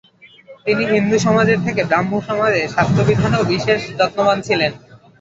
তিনি হিন্দুসমাজের থেকে ব্রাহ্মসমাজের স্বাতন্ত্রবিধানেও বিশেষ যত্নবান ছিলেন।